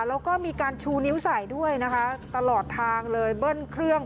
แล้วก็มีการชูนิ้วใส่ด้วยนะคะตลอดทางเลยเบิ้ลเครื่อง